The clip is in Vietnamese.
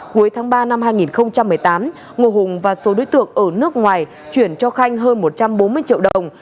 cuối tháng ba năm hai nghìn một mươi tám ngô hùng và số đối tượng ở nước ngoài chuyển cho khanh hơn một trăm bốn mươi triệu đồng